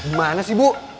gimana sih ibu